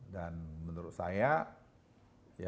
dan menurut saya ya kalau ini semua ya